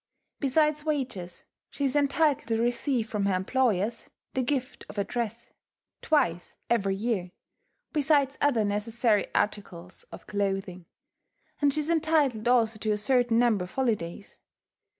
Besides wages, she is entitled to receive from her employers the gift of a dress, twice every year, besides other necessary articles of clothing; and she is entitled also to a certain number of holidays.